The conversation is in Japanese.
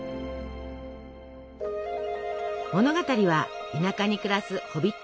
物語は田舎に暮らすホビット